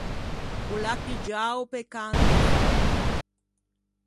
O l'à piggiao pe cantefî.